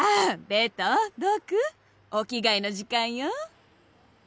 ベトドクお着替えの時間よ